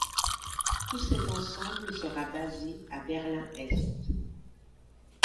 Tout cet ensemble sera basé à Berlin-Est.